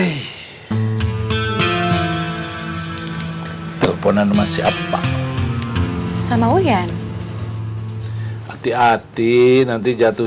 ya makasih ya